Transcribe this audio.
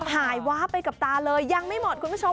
หายว้าไปกับตาเลยยังไม่หมดคุณผู้ชม